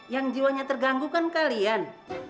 yang jiwanya terganggu kan kalian